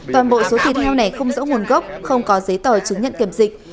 toàn bộ số thịt heo này không rõ nguồn gốc không có giấy tờ chứng nhận kiểm dịch